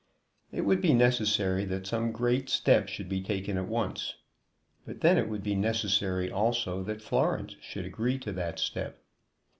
It would be necessary that some great step should be taken at once; but then it would be necessary, also, that Florence should agree to that step.